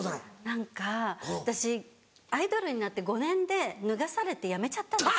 何か私アイドルになって５年で脱がされてやめちゃったんです。